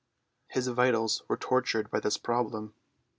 His vitals were tortured by this problem.